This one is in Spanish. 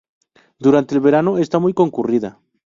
Durante el verano está muy concurrida.